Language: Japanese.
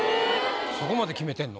そこまで決めてんの？